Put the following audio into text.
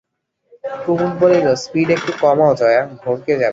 কুমুদ বলিল, স্পিড একটু কমাও জয়া, ভড়কে যাবে।